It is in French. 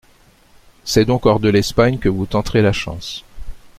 C'est donc hors de l'Espagne que vous tenterez la chance.